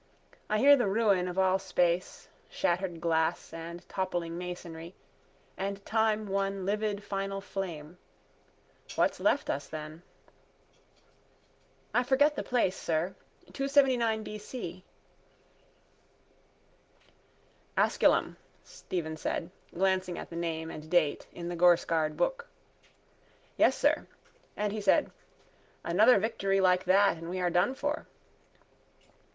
I hear the ruin of all space, shattered glass and toppling masonry, and time one livid final flame. What's left us then? —I forget the place, sir. 279 B. C. —Asculum, Stephen said, glancing at the name and date in the gorescarred book. —Yes, sir. And he said: _Another victory like that and we are done for.